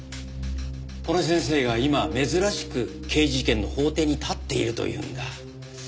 この先生が今珍しく刑事事件の法廷に立っているというんだ。